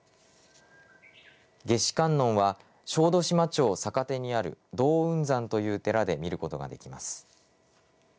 夏至観音は小豆島町坂手にある洞雲山という寺で見ることができます。